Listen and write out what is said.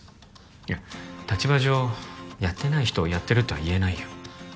いや立場上やってない人をやってるとは言えないよ